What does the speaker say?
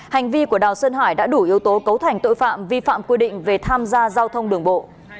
hành vi của đào xuân hải đã đủ yếu tố cấu thành tội phạm vi phạm quy định về tham gia giao thông đường bộ